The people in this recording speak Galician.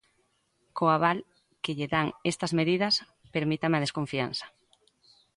Co aval que lle dan estas medidas, permítame a desconfianza.